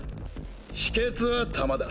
秘訣は弾だ。